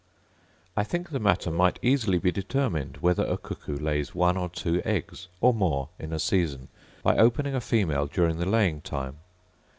I think the matter might easily be determined whether a cuckoo lays one or two eggs, or more, in a season, by opening a female during the laying time.